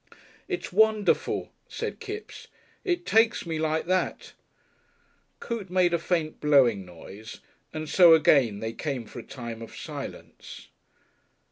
"It's wonderful," said Kipps. "It takes me like that." Coote made a faint blowing noise, and so again they came for a time of silence.